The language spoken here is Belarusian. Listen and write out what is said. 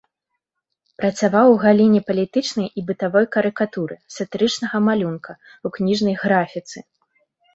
Працаваў у галіне палітычнай і бытавой карыкатуры, сатырычнага малюнка, у кніжнай графіцы.